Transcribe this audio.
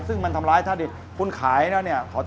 ซึ่งที่ทำร้ายทาดดินคุณขายนะ